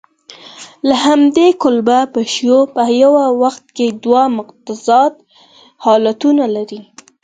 له همدې کبله پیشو په یوه وخت کې دوه متضاد حالتونه لري.